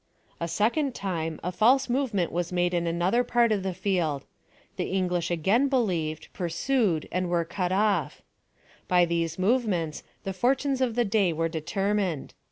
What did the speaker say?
A second time, a folse movement was made in another part of the field. The EnL^li'^h nccain Vo 152 PHILOSOPHY OF THE lievedj piirsiied, and were cut off. By these move ments the fortunes of the day were determined.